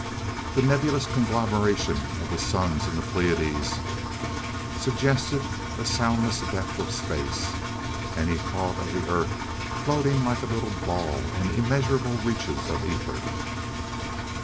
The nebulous conglomeration of the suns in Pleiades suggested a soundless depth of space, and he thought of the earth floating like a little ball in immeasurable reaches of ether.